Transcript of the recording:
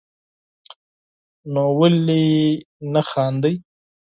نو ولي نه خاندئ